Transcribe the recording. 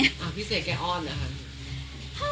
พี่เสกแกอ้อนเหรอคะ